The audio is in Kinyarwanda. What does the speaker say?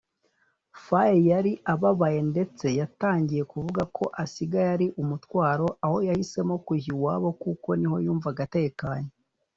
Faye yari ababaye ndetse yatangiye kuvuga ko asigaye ari umutwaro aho yahisemo kujya iwabo kuko niho yumvaga atekanye